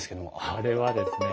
あれはですね